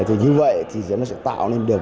thế như vậy thì sẽ tạo nên được